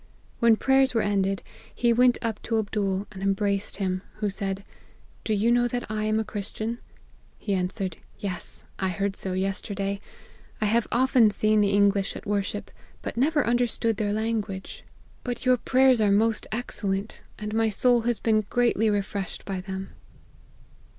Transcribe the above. When prayers were ended, he went up to Abdool, and embraced him ; who said, * Do you know that I am a Christian ?' He answered, ' Yes : I heard so yesterday. I have often seen the English at worship, but never understood their language ; but APPENDIX. 225 your prayers are most excellent, and my soul has been greatly refreshed by them.'